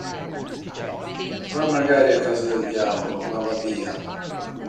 Va magari a casa del diavolo, ma va via.